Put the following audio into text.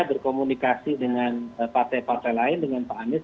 berkomunikasi dengan partai partai lain dengan pak anies